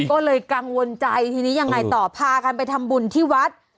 ก็เลยกังวลใจทีนี้ยังไงต่อพากันไปทำบุญที่วัด